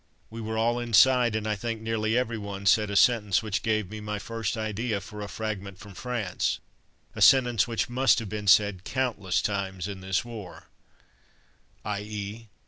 We were all inside, and I think nearly every one said a sentence which gave me my first idea for a Fragment from France. A sentence which must have been said countless times in this war, _i.e.